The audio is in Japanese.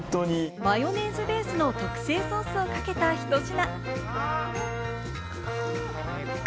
マヨネーズベースの特製ソースをかけた一品。